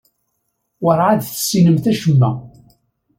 Werɛad tessinemt acemma.